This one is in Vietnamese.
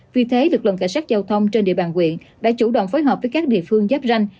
vì thế lực lượng cảnh sát giao thông trên địa bàn huyện đã chủ động phối hợp với các địa phương giáp ranh